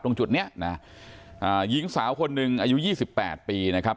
ตรงจุดนี้นะหญิงสาวคนหนึ่งอายุ๒๘ปีนะครับ